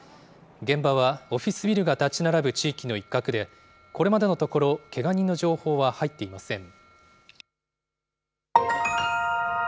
現場はオフィスビルが立ち並ぶ地域の一角で、これまでのところ、けが人の情報は入っていません。